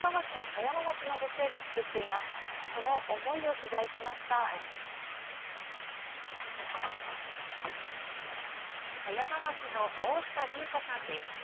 葉山町の大下利栄子さんです。